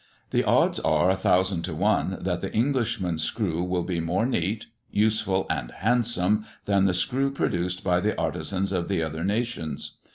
The odds are a thousand to one that the Englishman's screw will be more neat, useful and handsome, than the screw produced by the artisans of the other nations.